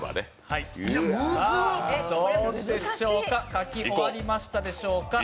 書き終わりましたでしょうか？